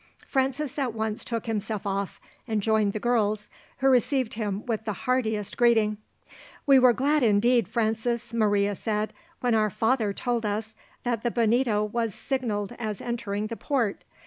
Francis at once took himself off and joined the girls, who received him with the heartiest greeting. "We were glad indeed, Francis," Maria said, "when our father told us that the Bonito was signalled as entering the port.